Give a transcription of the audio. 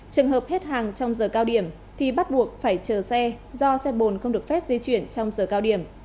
trường hợp hết hàng trong giờ cao điểm thì bắt buộc phải chờ xe do xe bồn không được phép di chuyển trong giờ cao điểm